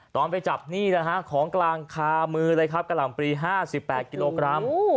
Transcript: ตอนไปจับนี่นะฮะของกลางคามือเลยครับกะหล่ำปรี๕๘กิโลกรัม